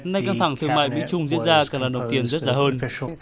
nên căng thẳng thương mại mỹ trung diễn ra càng là nồng tiền rất giá hơn